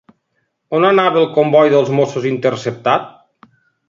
On anava el comboi dels Mossos interceptat?